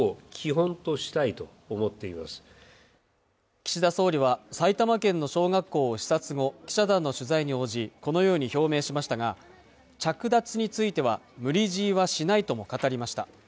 岸田総理は埼玉県の小学校を視察後記者団の取材に応じこのように表明しましたが着脱については無理強いはしないとも語りました